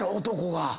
男が。